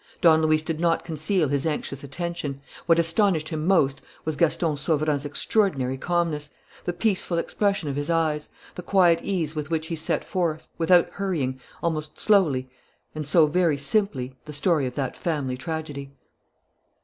Don Luis did not conceal his anxious attention. What astonished him most was Gaston Sauverand's extraordinary calmness, the peaceful expression of his eyes, the quiet ease with which he set forth, without hurrying, almost slowly and so very simply, the story of that family tragedy.